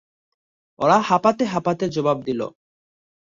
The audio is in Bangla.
ওরা হাঁপাতে হাঁপাতে জবাব দিল -